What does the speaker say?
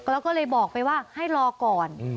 แล้วก็เลยบอกไปว่าให้รอก่อน